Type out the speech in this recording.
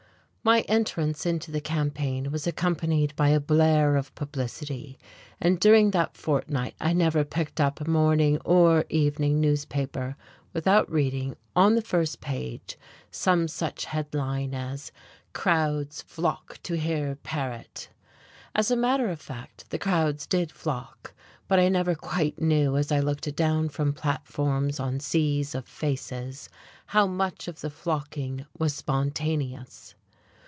My entrance into the campaign was accompanied by a blare of publicity, and during that fortnight I never picked up a morning or evening newspaper without reading, on the first page, some such headline as "Crowds flock to hear Paret." As a matter of fact, the crowds did flock; but I never quite knew as I looked down from platforms on seas of faces how much of the flocking was spontaneous.